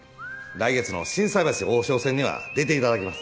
来月の心斎橋王将戦には出て頂きます。